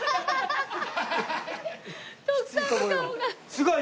すごい！